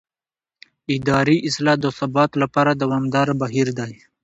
اداري اصلاح د ثبات لپاره دوامداره بهیر دی